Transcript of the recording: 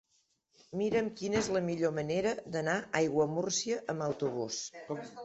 Mira'm quina és la millor manera d'anar a Aiguamúrcia amb autobús.